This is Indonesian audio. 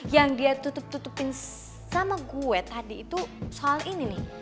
yang dia tutup tutupin sama gue tadi itu soal ini nih